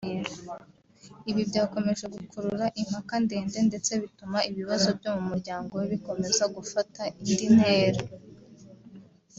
Ibi byakomeje gukurura impaka ndende ndetse bituma ibibazo byo mu muryango we bikomeza gufata indi ntera